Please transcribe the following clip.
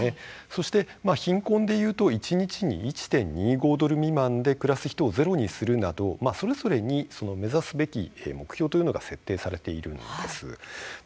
そして貧困で言うと一日に１．２５ドル未満で暮らす人をゼロにするなどそれぞれに、目指すべき目標というのが設定されているんです。